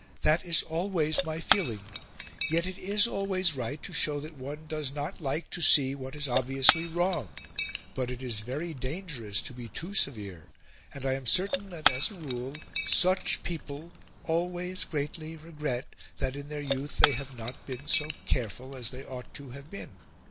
That is always my feeling. Yet it is always right to show that one does not like to see what is obviously wrong; but it is very dangerous to be too severe, and I am certain that as a rule such people always greatly regret that in their youth they have not been so careful as they ought to have been.